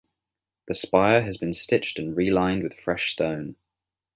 The spire has been stitched and relined with fresh stone.